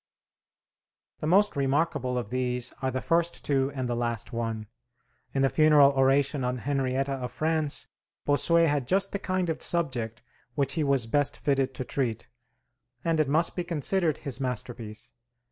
The most remarkable of these are the first two and the last one. In the funeral oration on Henrietta of France, Bossuet had just the kind of subject which he was best fitted to treat, and it must be considered his masterpiece.